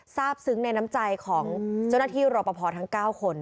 ทราบซึ้งในน้ำใจของเจ้าหน้าที่รอปภทั้ง๙คน